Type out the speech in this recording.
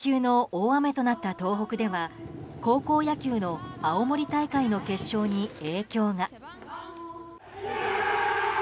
今日警報級の大雨となった東北では高校野球の青森大会の決勝に影響が。